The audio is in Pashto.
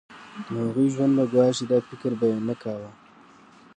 د هغوی ژوند به ګواښي دا فکر به یې نه کاوه.